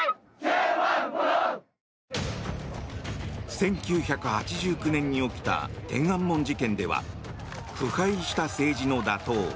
１９８９年に起きた天安門事件では腐敗した政治の打倒